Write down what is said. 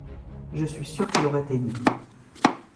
Je suis sûr qu’il aurait aimé.